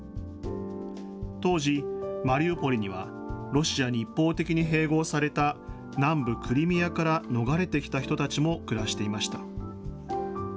当時、マリウポリにはロシアに一方的に併合された南部クリミアから逃れてきた人たちも暮らしていました。